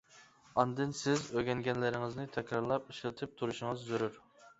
ئاندىن سىز ئۆگەنگەنلىرىڭىزنى تەكرارلاپ، ئىشلىتىپ تۇرۇشىڭىز زۆرۈر.